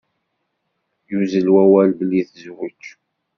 Yuzzel wawal belli tezweǧ.